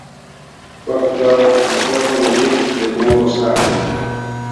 Fue acoplado al puerto nadir del módulo Zarya.